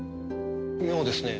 妙ですね。